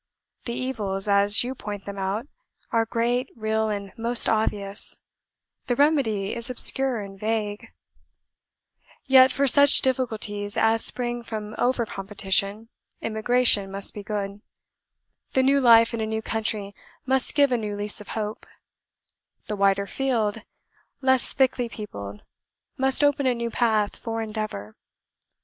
The evils, as you point them out, are great, real, and most obvious; the remedy is obscure and vague; yet for such difficulties as spring from over competition, emigration must be good; the new life in a new country must give a new lease of hope; the wider field, less thickly peopled, must open a new path for endeavour.